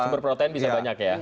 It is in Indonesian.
sumber protein bisa banyak ya